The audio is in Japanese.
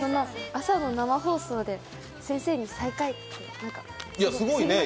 朝の生放送で、先生に再会！